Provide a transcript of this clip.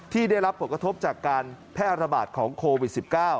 ที่ได้รับผลกระทบจากการแพร่ระบาดของโควิด๑๙